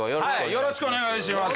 よろしくお願いします